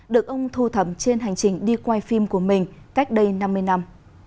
được ông thu thẩm trên hành trình đi quay phim của mình cách đây năm mươi năm